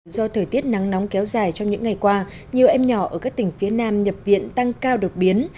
do thời tiết nắng nóng kéo dài trong những ngày qua nhiều em nhỏ ở các tỉnh phía nam nhập viện tăng cao đột biến